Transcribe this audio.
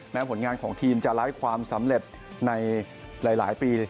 ผลงานของทีมจะไร้ความสำเร็จในหลายปี